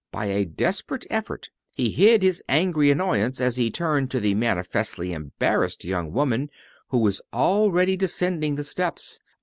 By a desperate effort he hid his angry annoyance as he turned to the manifestly embarrassed young woman who was already descending the steps.